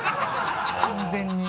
完全に。